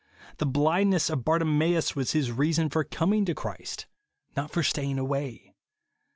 The blindness of Bartimeus was his reason for coming to Christ, not for staying away.